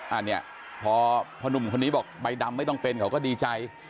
อ่ะเนี่ยเพราะผู้หญิงนี้บอกใบดำไม่ต้องเป็นเขาก็ดีใจ